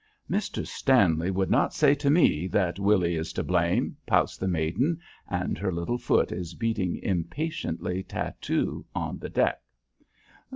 "Mr. Stanley would not say to me that Willy is to blame," pouts the maiden, and her little foot is beating impatiently tattoo on the deck.